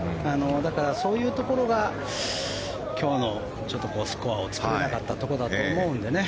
だからそういうところが今日のスコアを作れなかったところだと思うのでね。